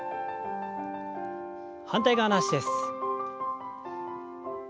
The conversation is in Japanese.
反対側の脚です。